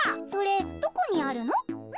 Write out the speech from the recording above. それどこにあるの？